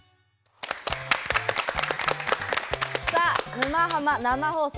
「沼ハマ」生放送